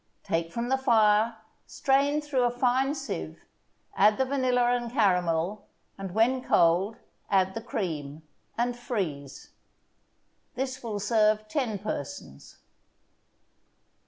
Take from the fire, strain through a fine sieve, add the vanilla and caramel, and, when cold, add the cream, and freeze. This will serve ten persons.